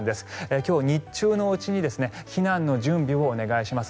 今日、日中のうちに避難の準備をお願いします。